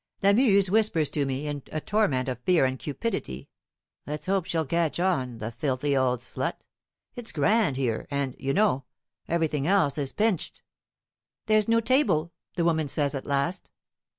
Lamuse whispers to me, in a torment of fear and cupidity, "Let's hope she'll catch on, the filthy old slut. It's grand here, and, you know, everything else is pinched!" "There's no table," the woman says at last.